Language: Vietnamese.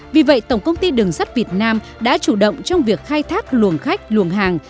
vì vậy tổng công ty đường sắt việt nam đã chủ động trong việc khai thác luồng khách luồng hàng